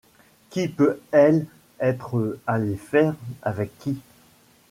Qu’y peut-elle être allée faire ! avec qui ?